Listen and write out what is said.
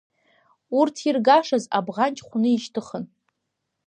Урҭ иргашаз абӷанҷ хәны ишьҭыхын.